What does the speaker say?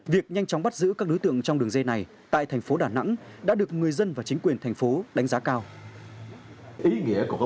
việc nhanh chóng bắt giữ các đối tượng trong đường dây này tại tp đà nẵng đã được người dân và chính quyền tp đánh giá cao